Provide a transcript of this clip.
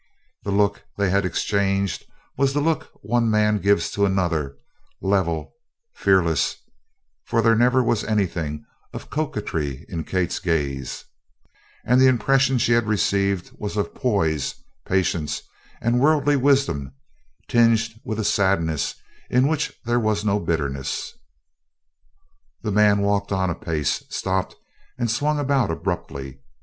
The look they had exchanged was the look one man gives to another level, fearless for there never was anything of coquetry in Kate's gaze, and the impression she had received was of poise, patience and worldly wisdom tinged with a sadness in which there was no bitterness. The man walked on a pace, stopped and swung about abruptly.